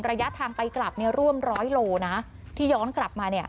ระยะทางไปกลับร่วม๑๐๐โลนาที่ย้อนกลับมา